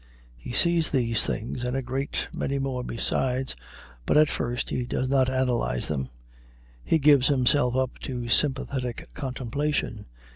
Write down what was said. He sees these things and a great many more besides, but at first he does not analyze them; he gives himself up to sympathetic contemplation.